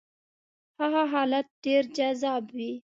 هغه حالت ډېر جذاب وي.